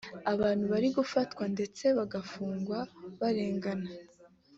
abantu bari gufatwa ndetse bagafungwa barengana